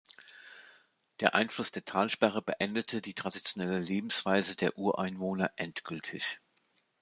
Der Einfluss der Talsperre beendete die traditionelle Lebensweise der Ureinwohner endgültig.